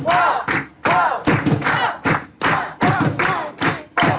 โอ้โฮโอ้โฮโอ้โฮโอ้โฮ